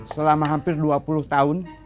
selama hampir dua puluh tahun